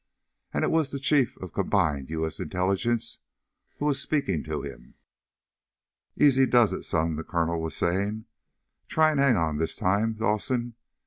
And it was the Chief of Combined U. S. Intelligence who was speaking to him. "Easy does it, son," the colonel was saying. "Try and hang on this time, Dawson.